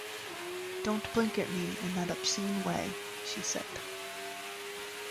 "Don't blink at me in that obscene way," she said.